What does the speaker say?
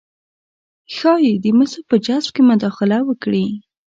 ښايي د مسو په جذب کې مداخله وکړي